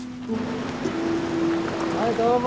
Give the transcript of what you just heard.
はいどうも！